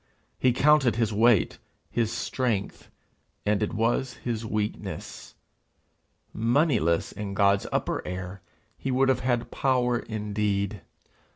He counted his weight his strength, and it was his weakness. Moneyless in God's upper air he would have had power indeed.